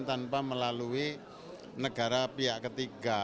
tanpa melalui negara pihak ketiga